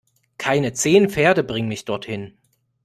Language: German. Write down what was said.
Keine zehn Pferde bringen mich dorthin!